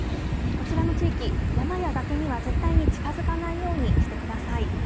こちらの地域、山や崖には絶対に近づかないようにしてください。